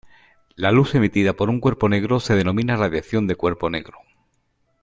La luz emitida por un cuerpo negro se denomina radiación de cuerpo negro.